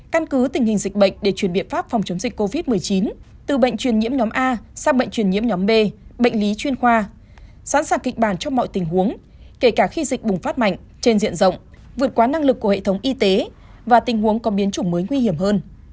căn cứ tình hình dịch bệnh để chuyển biện pháp phòng chống dịch covid một mươi chín từ bệnh truyền nhiễm nhóm a sang bệnh truyền nhiễm nhóm b bệnh lý chuyên khoa sẵn sàng kịch bản cho mọi tình huống kể cả khi dịch bùng phát mạnh trên diện rộng vượt quá năng lực của hệ thống y tế và tình huống có biến chủng mới nguy hiểm hơn